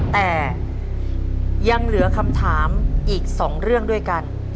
แต่ยังเหลือคำถามอีก๒เรื่องด้วยกัน